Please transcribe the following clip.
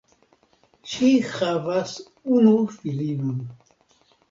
Ŝi havas unu filinon.